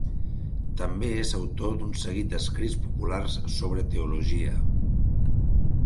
També és autor d'un seguit d'escrits populars sobre teologia.